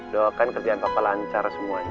doakan kerjaan papa lancar semuanya